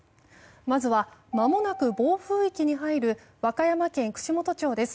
まずは、まもなく暴風域に入る和歌山県串本町です。